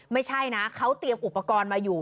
ไม่ใช่นะเขาเตรียมอุปกรณ์มาอยู่